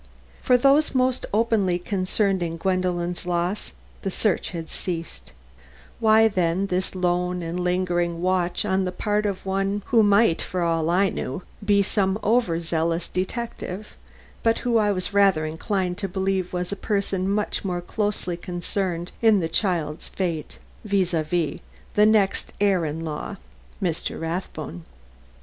For those most openly concerned in Gwendolen's loss, the search had ceased; why, then, this lone and lingering watch on the part of one who might, for all I knew, be some over zealous detective, but who I was rather inclined to believe was a person much more closely concerned in the child's fate, viz: the next heir in law, Mr. Rathbone.